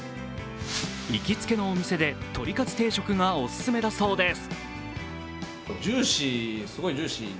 行きつけのお店で鳥カツ定食がオススメだそうです。